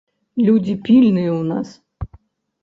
Людзі пільныя ў нас.